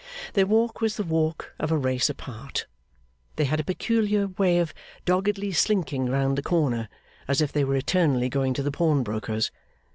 Their walk was the walk of a race apart. They had a peculiar way of doggedly slinking round the corner, as if they were eternally going to the pawnbroker's.